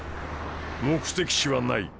目的地はない。